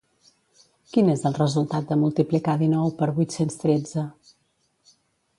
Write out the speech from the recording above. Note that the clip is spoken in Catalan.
Quin és el resultat de multiplicar dinou per vuit-cents tretze?